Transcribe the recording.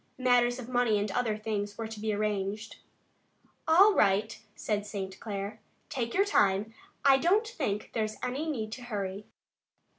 Matters of money and other things were to be arranged. "All right," said St. Clair. "Take your time. I don't think there's any need to hurry."